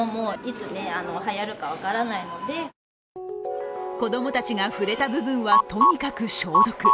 更に子供たちが触れた部分はとにかく消毒。